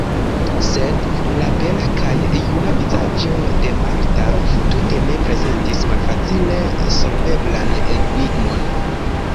Sed la bela kaj juna vizaĝo de Marta tute ne prezentis malfacile solveblan enigmon.